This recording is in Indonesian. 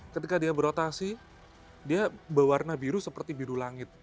ketika dia berotasi dia berwarna biru seperti biru langit